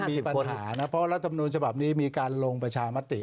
เพราะรัฐมนุนชะบับนี้มีการลงประชามาติ